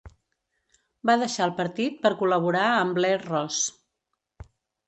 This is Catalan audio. Va deixar el partit per col·laborar amb Blair Ross.